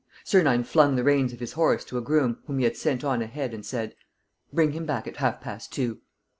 Sernine flung the reins of his horse to a groom whom he had sent on ahead and said: "Bring him back at half past two."